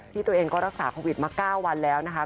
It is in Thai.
ตัวเองก็รักษาโควิดมา๙วันแล้วนะคะ